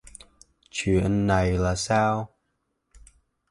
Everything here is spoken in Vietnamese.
Chuyện này là sao